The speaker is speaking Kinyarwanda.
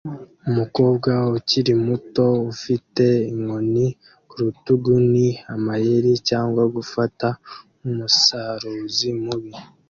Umukobwa ukiri muto ufite inkoni ku rutugu ni amayeri cyangwa gufata nkumusaruzi mubi